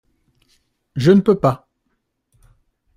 Je ne peux pas.